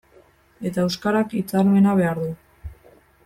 Eta euskarak hitzarmena behar du.